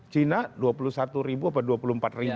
cina rp dua puluh satu atau rp dua puluh empat